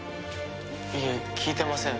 いえ聞いてません。